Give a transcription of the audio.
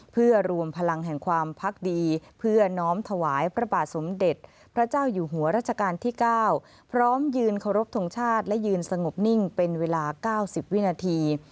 พร้อมยืนเคารพทงชาติและยืนสงบนิ่งเป็นเวลา๙๐วินาที